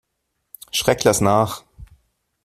Schreck lass nach!